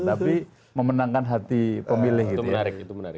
tapi memenangkan hati pemilih gitu ya